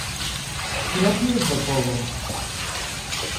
Propios do pobo.